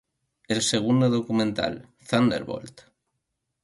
El segundo documental, "Thunderbolt!